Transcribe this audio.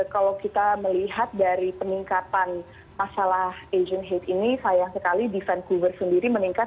kalau kita melihat dari peningkatan masalah asian hate ini sayang sekali di vancouver sendiri meningkat tujuh ratus